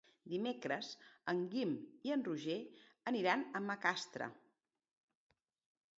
Dimecres en Guim i en Roger aniran a Macastre.